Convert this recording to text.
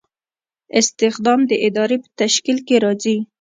استخدام د ادارې په تشکیل کې راځي.